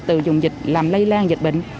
từ dùng dịch làm lây lan dịch bệnh